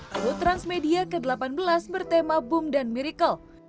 hood transmedia ke delapan belas bertema boom dan miracle